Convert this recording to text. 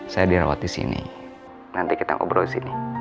saya dirawat di sini nanti kita ngobrol di sini